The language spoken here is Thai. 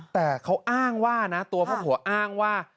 แต่เขาอ้างว่านะตัวพ่อผัวอ้างว่า